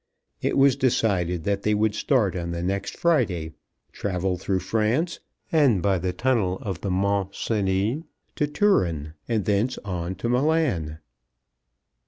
It was decided that they would start on the next Friday, travel through France and by the tunnel of the Mont Cenis to Turin, and thence on to Milan.